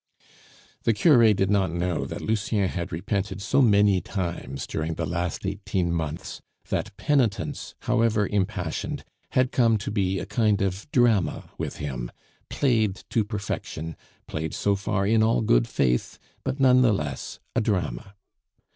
The cure did not know that Lucien had repented so many times during the last eighteen months, that penitence, however impassioned, had come to be a kind of drama with him, played to perfection, played so far in all good faith, but none the less a drama.